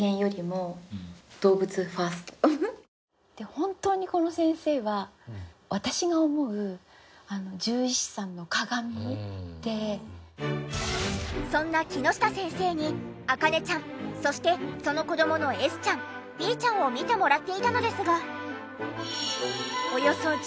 本当にこの先生はそんな木下先生にあかねちゃんそしてその子どものエスちゃんビーちゃんを診てもらっていたのですが。